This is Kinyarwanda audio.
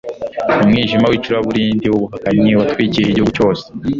Umwijima wicuraburindi wubuhakanyi watwikiriye igihugu cyose